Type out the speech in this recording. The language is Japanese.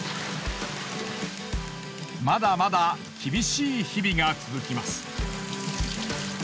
まだまだ厳しい日々が続きます。